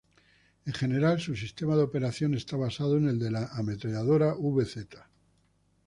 En general su sistema de operación está basado en el de la ametralladora vz.